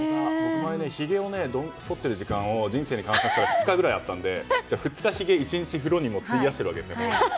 ひげをそってる時間を人生で換算したら２日くらいあったのでじゃあ２日も、ひげを１日に費やしているわけですね。